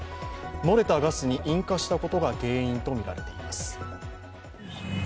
漏れたガスに引火したことが原因とみられています。